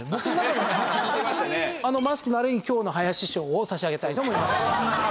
マスクのあれに今日の林賞を差し上げたいと思います。